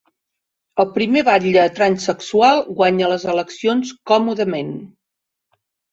El primer batlle transsexual guanya les eleccions còmodament